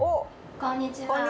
こんにちは！